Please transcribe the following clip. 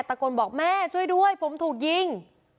ตะโกนบอกแม่ช่วยด้วยผมถูกยิง